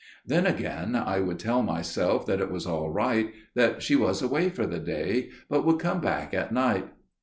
Then again I would tell myself that it was all right: that she was away for the day, but would come back at night.